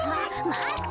まって！